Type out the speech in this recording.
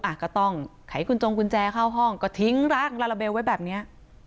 อ่ะก็ต้องไขคุณจงกุญแจเข้าห้องก็ทิ้งร่างลาลาเบลไว้แบบเนี้ย